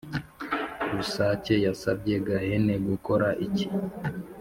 Rusake yasabye Gahene gukora iki?